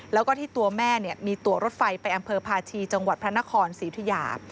แล้วก็ที่ตัวแม่มีตัวรถไฟไปอำเภอภาชีจังหวัดพระนครศรีอุทิยา